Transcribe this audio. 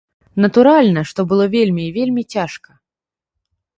Натуральна, што было вельмі і вельмі цяжка.